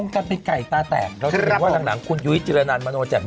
เช้าว่าหลังคุณยุ๋ยิจิระนันด์มาโดนแจบ